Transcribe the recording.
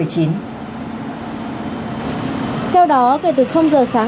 theo đó kể từ h sáng